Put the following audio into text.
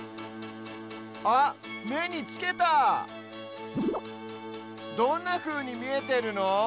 あっめにつけたどんなふうにみえてるの？